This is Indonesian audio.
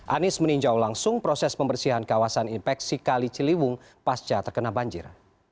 anies meninjau langsung proses pembersihan kawasan infeksi kali ciliwung pasca terkena banjir